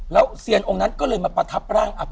แล้วเซียนองค์นั้นก็เลยมาประทับร่าง